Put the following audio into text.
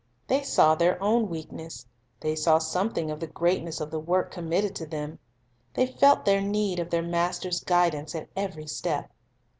They saw their own weakness; they saw something of the great ness of the work committed to them; they felt their need of their Master's guidance at every step.